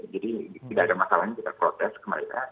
jadi tidak ada masalahnya kita protes ke mereka